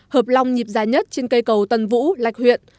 hợp lòng nhịp dài nhất trên cây cầu tân vũ lạch huyện